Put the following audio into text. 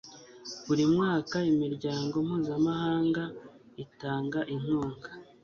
buri mwaka imiryango mpuzamahanga itanga inkunga